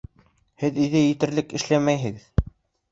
Һеҙ өйҙә етерлек эшләмәйһегеҙ